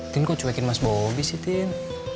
tin kok cuekin mas bobi sih tin